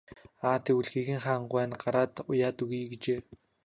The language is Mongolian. Аа тэгвэл гэгээн хаан гуай нь гараад уяад өгье гэжээ.